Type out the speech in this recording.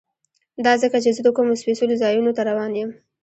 دا ځکه چې زه د کومو سپېڅلو ځایونو ته روان یم.